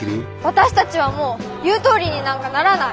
私たちはもう言うとおりになんかならない。